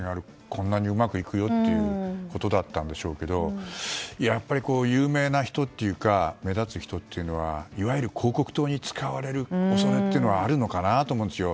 こんなにうまくいくよということだったんでしょうけどやっぱり、有名な人というか目立つ人というのはいわゆる広告塔に使われる恐れがあるのかなと思うんですよ。